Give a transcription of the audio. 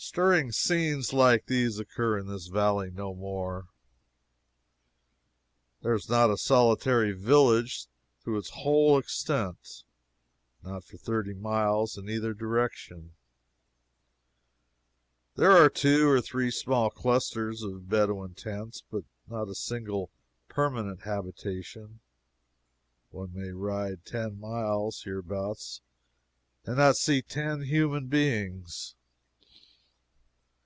Stirring scenes like these occur in this valley no more. There is not a solitary village throughout its whole extent not for thirty miles in either direction. There are two or three small clusters of Bedouin tents, but not a single permanent habitation. One may ride ten miles, hereabouts, and not see ten human beings.